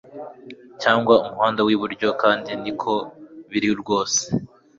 cyangwa Umuhanda Wiburyo kandi niko biri rwose